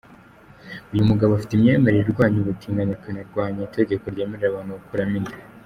Uyu mugabo, afite imyemerere irwanya ubutinganyi, akanarwanya itegeko ryemerera abantu gukuramo inda.